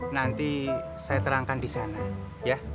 nanti saya terangkan disana ya